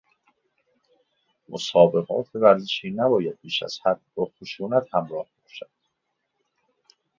مسابقات ورزشی نباید بیش از حد با خشونت همراه باشد.